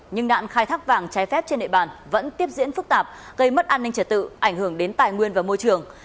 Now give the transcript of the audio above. nhưng nạn khai thác vàng trái phép trên địa bàn vẫn tiếp diễn phức tạp gây mất an ninh trật tự ảnh hưởng đến tài nguyên và môi trường